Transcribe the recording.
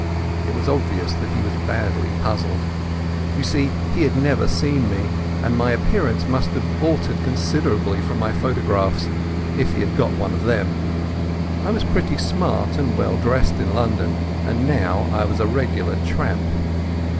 It was obvious that he was badly puzzled. You see he had never seen me, and my appearance must have altered considerably from my photographs, if he had got one of them. I was pretty smart and well dressed in London, and now I was a regular tramp.